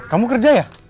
kamu kerja ya